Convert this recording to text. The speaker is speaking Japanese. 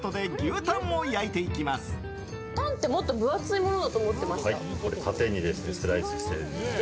タンってもっと分厚いものだと思ってました。